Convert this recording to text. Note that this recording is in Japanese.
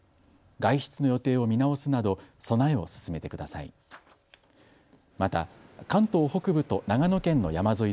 外出の予定を見直すなど備えを進めてください。